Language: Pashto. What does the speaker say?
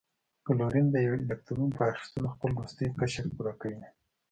کلورین د یوه الکترون په اخیستلو خپل وروستنی قشر پوره کوي.